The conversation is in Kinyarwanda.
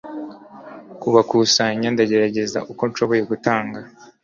kubakusanya, ndagerageza uko nshoboye gutanga